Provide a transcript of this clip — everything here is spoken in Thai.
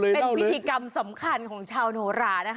เป็นพิธีกรรมสำคัญของชาวโนรานะคะ